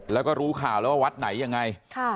แล้วก็รู้ข่าวแล้วว่าวัดไหนยังไง